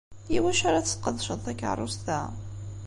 I wacu ara tesqedceḍ takeṛṛust-a?